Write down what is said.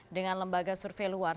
dengan lembaga survei luar